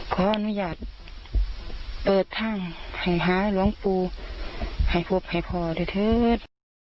ขออนุญาตเปิดทางห่างหาหลวงปู่ให้พบให้พอเดี๋ยวเถิด